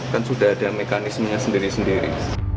kan sudah ada mekanismenya sendiri sendiri